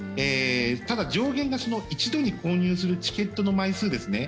ただ上限が、１度に購入するチケットの枚数ですね。